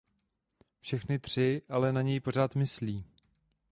Všechny tři ale na něj pořád myslí.